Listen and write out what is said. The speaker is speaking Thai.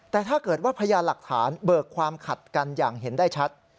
แต่ถ้าเกิดว่าพยานหลักฐานเบิกความขัดกันอย่างเห็นได้ชัด